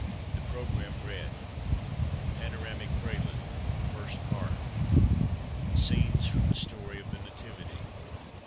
The programme read : PANORAMIC PRELUDE. FIRST PART. Scan's from 1hc Story of the Nativity.